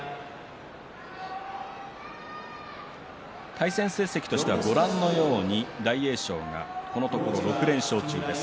対戦成績としてはご覧のように大栄翔がこのところ６連勝中です。